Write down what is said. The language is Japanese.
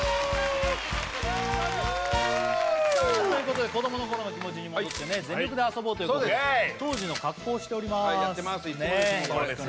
さあということで子どもの頃の気持ちに戻って全力で遊ぼうということで当時の格好をしておりまーすいつもこれですよ